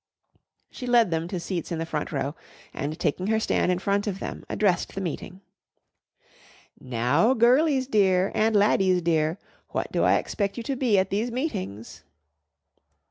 She led them to seats in the front row, and taking her stand in front of them, addressed the meeting. "Now, girlies dear and laddies dear, what do I expect you to be at these meetings?"